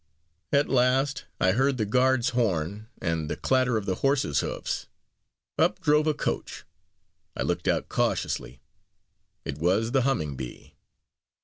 At last, I heard the guard's horn and the clatter of the horses' hoofs. Up drove a coach I looked out cautiously it was the Humming Bee.